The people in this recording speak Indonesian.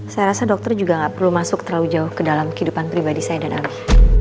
saya rasa dokter juga gak perlu masuk terlalu jauh ke dalam kehidupan pribadi saya dan ami